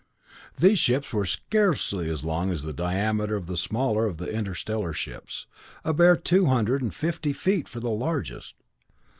These ships were scarcely as long as the diameter of the smaller of the interstellar ships a bare two hundred and fifty feet for the largest.